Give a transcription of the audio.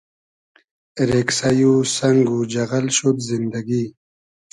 رېگسݷ و سئنگ و جئغئل شود زیندئگی